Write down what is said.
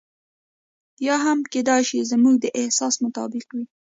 یا هم کېدای شي زموږ د احساس مطابق وي.